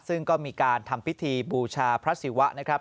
ซึ่งก็มีการทำพิธีบูชาพระศิวะนะครับ